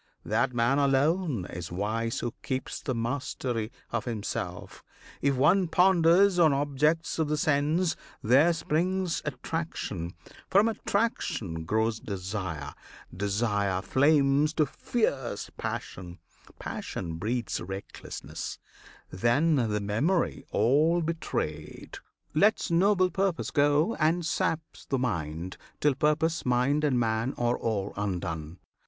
That man alone is wise Who keeps the mastery of himself! If one Ponders on objects of the sense, there springs Attraction; from attraction grows desire, Desire flames to fierce passion, passion breeds Recklessness; then the memory all betrayed Lets noble purpose go, and saps the mind, Till purpose, mind, and man are all undone.